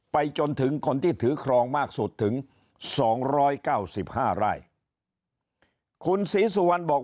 ไปจนถึงคนที่ถือครองมากสุดถึง๒๙๕ร่ายคุณศรีสุวรรค์บอก